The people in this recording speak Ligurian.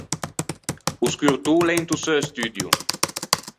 O scurtô o l’é into seu studio.